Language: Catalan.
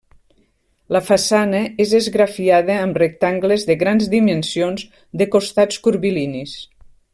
La façana és esgrafiada amb rectangles de grans dimensions de costats curvilinis.